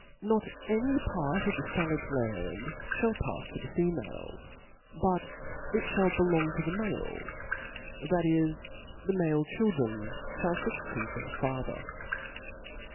Not * any part of the Salic land *' (hall pa(a to the females ; but it fhall belong to *^ the males, that is, the male children ihall fuc «•^ ceed their father.